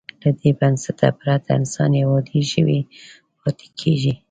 له دې بنسټه پرته انسان یو عادي ژوی پاتې کېږي.